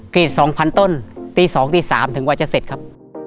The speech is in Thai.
กรีด๒๐๐๐ต้นตี๒๓ถึงวันจะเสร็จครับ